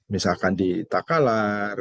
misalkan di takalar